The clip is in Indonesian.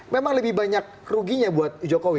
memang lebih banyak ruginya buat jokowi